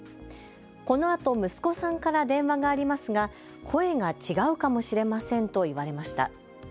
このあと息子さんから電話がありますが声が違うかもしれませんと言われました。